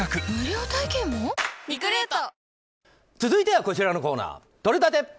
続いてはこちらのコーナーとれたて！